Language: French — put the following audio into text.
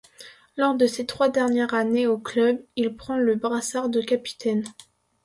Lors de ses trois dernières années au club, il prend le brassard de capitaine.